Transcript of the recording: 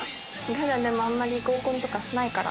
普段でもあんまり合コンとかしないから。